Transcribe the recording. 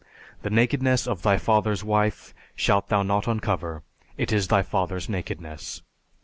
The nakedness of thy father's wife shalt thou not uncover; it is thy father's nakedness.